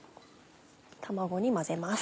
卵に混ぜます。